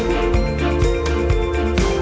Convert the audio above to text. hãy nhấn đăng ký kênh